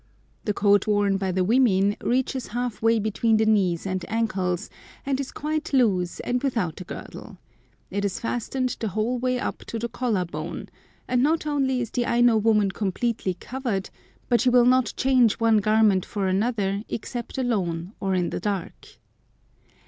The coat worn by the women reaches half way between the knees and ankles, and is quite loose and without a girdle. It is fastened the whole way up to the collar bone; and not only is the Aino woman completely covered, but she will not change one garment for another except alone or in the dark.